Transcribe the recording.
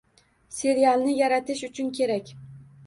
Serialni yaratish uchun kerak.